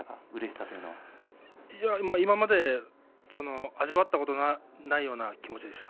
今まで味わったことがないような気持ちでした。